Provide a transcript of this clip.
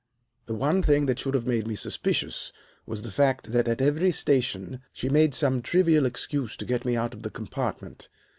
"The one thing that should have made me suspicious was the fact that at every station she made some trivial excuse to get me out of the compartment.